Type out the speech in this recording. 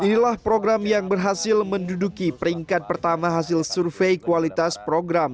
inilah program yang berhasil menduduki peringkat pertama hasil survei kualitas program